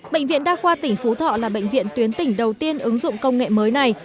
bệnh viện đa khoa tỉnh phú thọ là bệnh viện tuyến tỉnh đầu tiên ứng dụng công nghệ mới này